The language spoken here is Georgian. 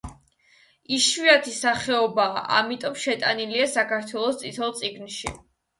იშვიათი სახეობაა, ამიტომ შეტანილია საქართველოს წითელ წიგნში.